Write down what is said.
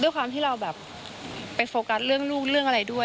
ด้วยความที่เราไปโฟกัสเรื่องเรื่องอะไรด้วย